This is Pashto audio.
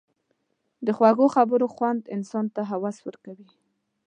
د خوږو خبرو خوند انسان ته هوس ورکوي.